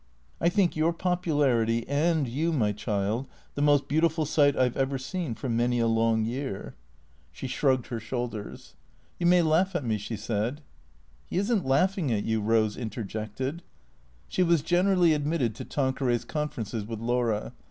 " I think your popularity, and you, my child, the most beauti ful sight I 've ever seen for many a long year." She shrugged her shoulders. 27 430 THECEEATOES " You may laugh at me," she said. " 'E is n't laughin' at you," Eose interjected. She was gen erally admitted to Tanqueray's conferences with Laura.